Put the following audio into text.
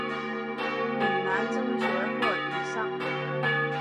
岭南中学或以上。